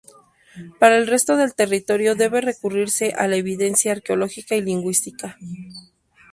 Para el resto del territorio debe recurrirse a la evidencia arqueológica y lingüística.